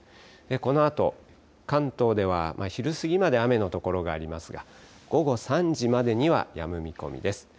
このあと、関東では昼過ぎまで雨の所がありますが、午後３時までにはやむ見込みです。